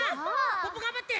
ポッポがんばって！